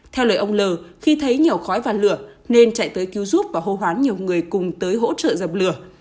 theo lời ông l khi thấy nhiều khói và lửa nên chạy tới cứu giúp và hô hoán nhiều người cùng tới hỗ trợ dập lửa